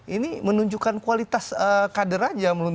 ini menunjukkan kualitas kader aja